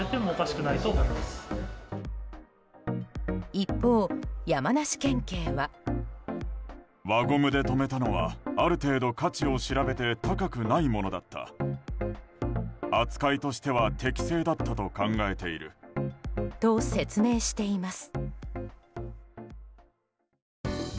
一方、山梨県警は。と、説明しています。